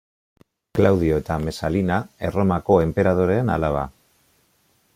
Klaudio eta Mesalina Erromako enperadoreen alaba.